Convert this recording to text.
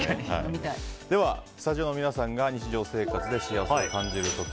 では、スタジオの皆さんが日常生活で幸せを感じる時。